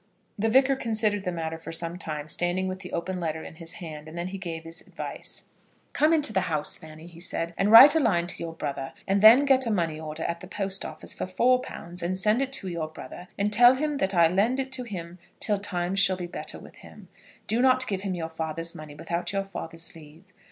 The Vicar considered the matter for some time, standing with the open letter in his hand, and then he gave his advice. "Come into the house, Fanny," he said, "and write a line to your brother, and then get a money order at the post office for four pounds, and send it to your brother; and tell him that I lend it to him till times shall be better with him. Do not give him your father's money without your father's leave.